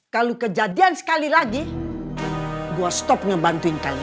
kalau kejadian sekali lagi gue stop ngebantuin kalian